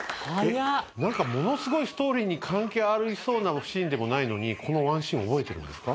何かものすごいストーリーに関係ありそうなシーンでもないのにこのワンシーン覚えてるんですか？